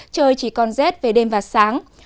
trời chỉ còn rét về đêm và sáng